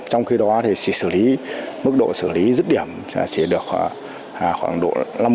trong khi đó thì mức độ xử lý rứt điểm chỉ được khoảng độ năm mươi